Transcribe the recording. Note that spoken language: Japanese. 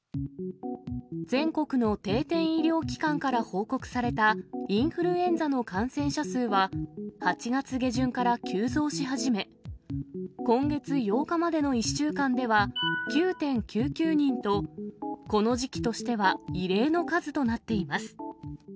全国の定点医療機関から報告されたインフルエンザの感染者数は、８月下旬から急増し始め、今月８日までの１週間では、９．９９人と、この時期としては異例の数となっています。